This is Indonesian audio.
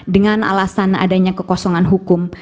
dengan alasan adanya kekosongan hukum